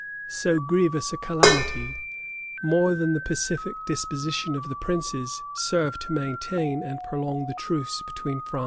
So grievous a calamity, more than the pacific disposition of the princes, served to maintain and prolong the truce between France and England.